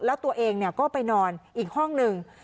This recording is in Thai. แล้วตัวเองก็ไปนอนอีกห้องหนึ่ง